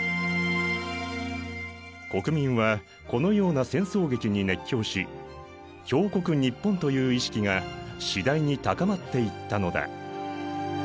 国民はこのような戦争劇に熱狂し「強国日本」という意識が次第に高まっていったのだ。